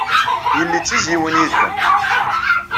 Yelli d tizzyiwin yid-went.